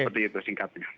seperti itu singkatnya